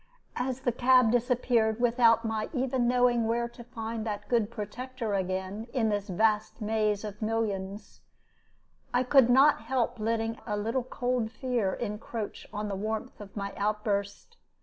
As the cab disappeared without my even knowing where to find that good protector again in this vast maze of millions, I could not help letting a little cold fear encroach on the warmth of my outburst.